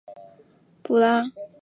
普拉尼。